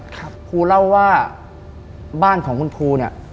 ครูเล่าว่าบ้านของคุณครู